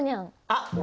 あっ！